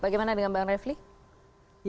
bagaimana dengan bang refli